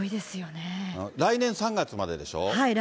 来年３月まででしょ？